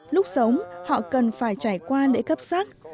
lúc sống họ cần phải trải qua lễ cấp sắc